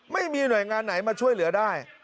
ไม่มีหน่วยงานไหนมาช่วยเหลือได้